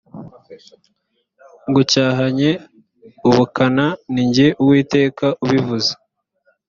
ngucyahanye ubukana ni jye uwiteka ubivuze